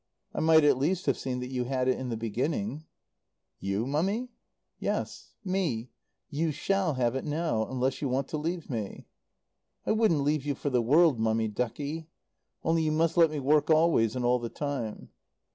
"I might at least have seen that you had it in the beginning." "You, Mummy?" "Yes. Me. You shall have it now. Unless you want to leave me." "I wouldn't leave you for the world, Mummy ducky. Only you must let me work always and all the time."